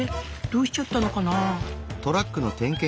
どうしちゃったのかな？